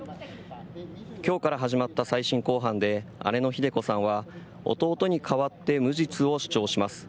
今日から始まった再審公判で姉のひで子さんは弟に代わって無実を主張します。